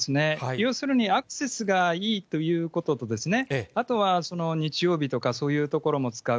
要するに、アクセスがいいということと、あとは、日曜日とかそういうところも使う。